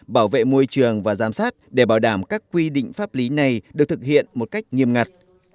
bảo vệ môi trường và giám sát để bảo đảm các quy định pháp lý này được thực hiện một cách nghiêm ngặt